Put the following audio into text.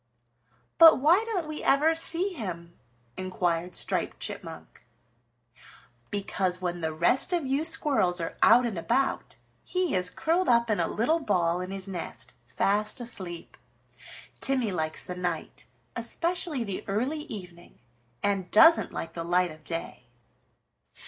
"But why don't we ever see him?" inquired Striped Chipmunk. "Because, when the rest of you squirrels are out and about, he is curled up in a little ball in his nest, fast asleep. Timmy likes the night, especially the early evening, and doesn't like the light of day."